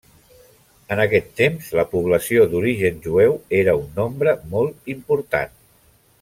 En aquest temps la població d'origen jueu era un nombre molt important.